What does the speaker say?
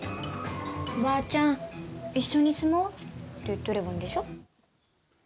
おばあちゃん、一緒に住もうって言ってればいいんでしょ。